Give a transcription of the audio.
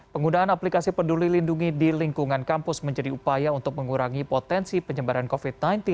penggunaan aplikasi peduli lindungi di lingkungan kampus menjadi upaya untuk mengurangi potensi penyebaran covid sembilan belas